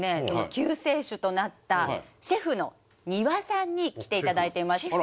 その救世主となったシェフの丹羽さんに来ていただいています。